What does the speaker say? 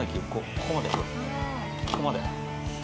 ここまで。